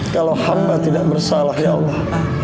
kalau hamba tidak bersalah ya allah